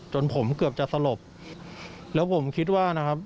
จนผมเกือบจะสลบแล้วผมคิดว่านะครับ